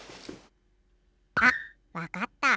あっわかった。